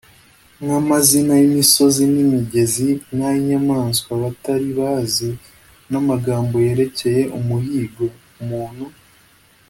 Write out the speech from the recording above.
nk’amazina y’imisozi, n’imigezi, n’ay’inyamaswa batari bazi, n’amagambo yerekeye umuhigo:umuntu